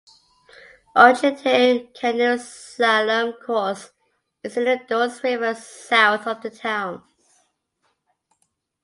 The Argentiere Canoe Slalom Course is in the Durance River south of the town.